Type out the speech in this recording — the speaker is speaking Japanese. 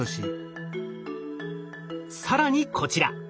更にこちら。